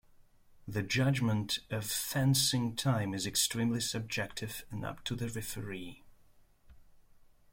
The judgement of "fencing time" is extremely subjective and up to the referee.